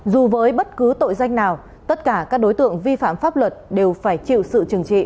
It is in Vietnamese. dù với bất cứ tội danh nào tất cả các đối tượng vi phạm pháp luật đều phải chịu sự trừng trị